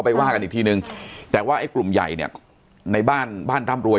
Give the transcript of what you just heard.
ว่ากันอีกทีนึงแต่ว่าไอ้กลุ่มใหญ่เนี่ยในบ้านบ้านร่ำรวย